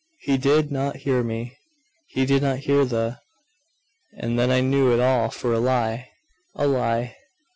He did not hear me! .... did not hear the!.... And then I knew it all for a lie! a lie!